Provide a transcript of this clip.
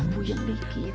buat yang dikit